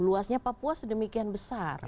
luasnya papua sedemikian besar